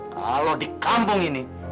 kalau di kampung ini